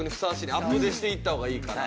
アプデしていった方がいいから。